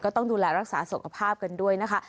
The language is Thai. ก็ต้องดูแลรักษาส่วนกระภาพกันด้วยนะคะ